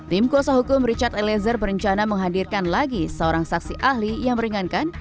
tim kuasa hukum richard eliezer berencana menghadirkan lagi seorang saksi ahli yang meringankan